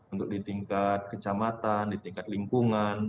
untuk di tingkat kecamatan di tingkat lingkungan